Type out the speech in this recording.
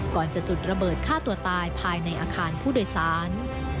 ก่อนจะจุดระเบิดฆ่าตัวตายภายในอาคารผู้โดยสาร